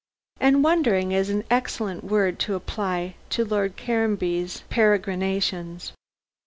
And wandering is an excellent word to apply to Lord Caranby's peregrinations.